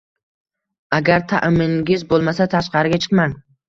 Agar ta'mingiz bo'lmasa, tashqariga chiqmang